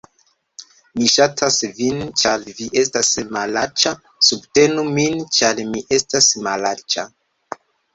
Mi ŝatas vin ĉar vi estas malaĉa subtenu min ĉar mi estas malaĉa